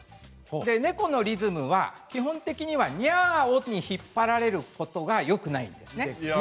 猫のリズムは、基本的にはにゃーぉ、に引っ張られることがよくないです。